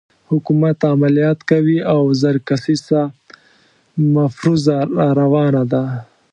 حکومت عملیات کوي او زر کسیزه مفروزه راروانه ده.